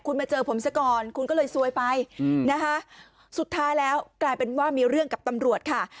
คุณมาเจอผมซะก่อนคุณก็เลยซวยไปนะคะสุดท้ายแล้วกลายเป็นว่ามีเรื่องกับตำรวจค่ะ